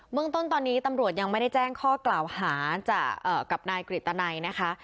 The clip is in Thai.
เมืองต้นตอนนี้ตำรวจยังไม่ได้แจ้งข้อกล่าวหากับนายกฤตนัยนะคะ